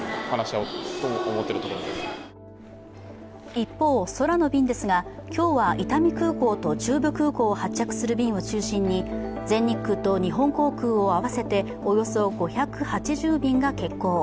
一方、空の便ですが、今日は伊丹空港と中部空港を発着する便を中心に全日空と日本航空を合わせておよそ５８０便が欠航。